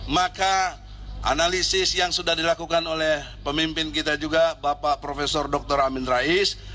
maka analisis yang sudah dilakukan oleh pemimpin kita juga bapak profesor dr amin rais